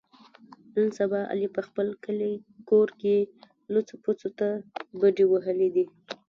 نن سبا علي په خپل کلي کور کې لوڅو پوڅو ته بډې وهلې دي.